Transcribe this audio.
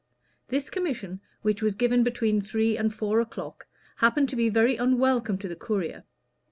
This commission, which was given between three and four o'clock, happened to be very unwelcome to the courier.